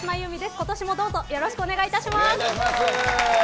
今年もどうぞよろしくお願いいたします。